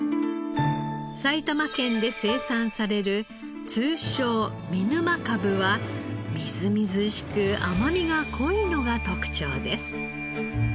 埼玉県で生産される通称見沼かぶはみずみずしく甘みが濃いのが特長です。